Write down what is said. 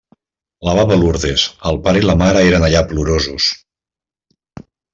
La baba Lourdes, el pare i la mare eren allà plorosos.